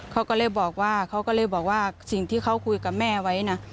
เขาก็เลยบอกว่าเขาก็เลยบอกว่าสิ่งที่เขาคุยกับแม่ไว้นะ